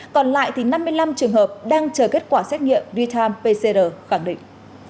còn lại năm mươi năm trường hợp đang chờ kết quả xét nghiệm d tam pcr khẳng định